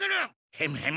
ヘムヘム